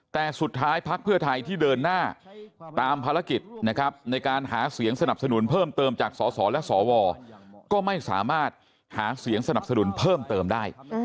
แต่สุดท้ายพักเพื่อไทยที่เดินหน้าตามภารกิจนะครับในการหาเสียงสนับสนุนเพิ่มเติมจากสสและสวก็ไม่สามารถหาเสียงสนับสนุนเพิ่มเติมได้